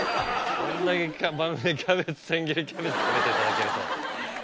こんだけ番組で千切りキャベツ食べていただけるとは。